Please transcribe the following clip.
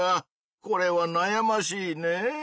これはなやましいねぇ。